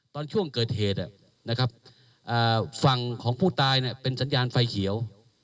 ตอนช่วงเกิดเหตุฝั่งของผู้ตายเป็นสัญญาณไฟเขียว